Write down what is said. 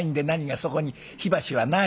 そこに火箸はない？